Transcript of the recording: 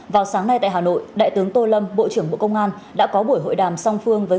vào sáng nay tại hà nội đại tướng tô lâm bộ trưởng bộ công an đã có buổi hội đàm song phương với